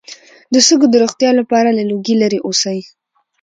د سږو د روغتیا لپاره له لوګي لرې اوسئ